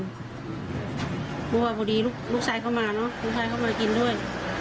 เพราะว่าพอดีลูกชายเขามาเนอะลูกชายเขาก็เลยกินด้วย